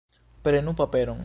Prenu paperon.